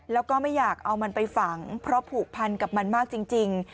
แล้วก็ไม่อยากเอามันไปฝังเพราะผูกพันกับมันมากจริง